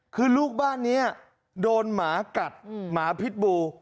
คือลูกบ้านนี้โดนหมากัดหมาพิษบู